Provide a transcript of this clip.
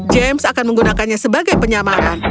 james akan menggunakannya sebagai penyamaran